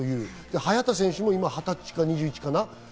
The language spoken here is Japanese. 早田選手も今２０歳か２１歳かな？